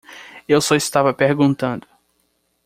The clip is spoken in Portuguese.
Eu só estava perguntando.